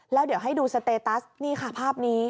แล้วเดี๋ยวให้ดูสเตตัสนี่ค่ะภาพนี้